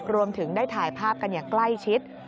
รวมถึงได้ถ่ายภาพกันอย่างใกล้ชิด